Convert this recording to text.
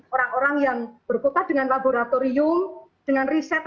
orang orang yang berbuka dengan laboratorium dengan riset